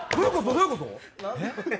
どういうこと？